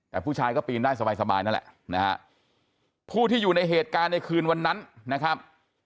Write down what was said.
แต่ผู้ชายก็ปีนได้สบายสบายนั่นแหละนะฮะผู้ที่อยู่ในเหตุการณ์ในคืนวันนั้นนะครับ